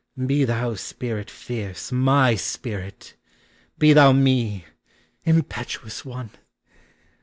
Be thou, spirit fierce, My spirit! Be thou me, impetuous one!